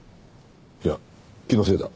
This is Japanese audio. いや気のせいだ。